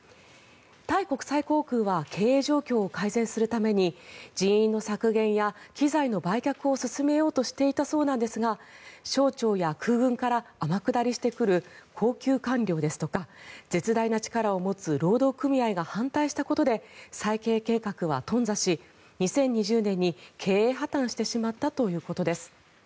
タイ国際航空は経営状況を改善するために人員の削減や機材の売却を進めようとしていたそうなんですが省庁や空軍から天下りしてくる高級官僚ですとか絶大な力を持つ労働組合が反対したことで再建計画は頓挫し２０２０年に経営破たんしてしまったということです。